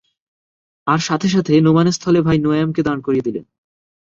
আর সাথে সাথে নু’মানের স্থলে ভাই নু’য়াঈমকে দাঁড় করিয়ে দিলেন।